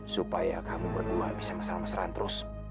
supaya kamu berdua bisa mesra mesraan terus